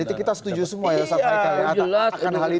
jadi kita setuju semua ya pak pak